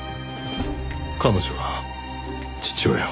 彼女が父親を？